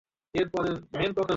সুতরাং আলো নিশ্চয়ই শক্তি বহন করে।